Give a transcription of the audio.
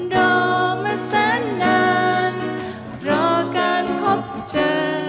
รอเมื่อสักนานรอการพบเจอ